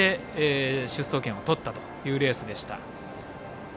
出走権をとったというレースでした。